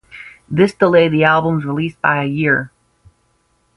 This delayed the album's release by a year.